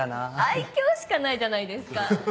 愛嬌しかないじゃないですか。